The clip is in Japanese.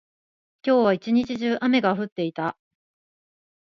今日は一日中、雨が降っていた。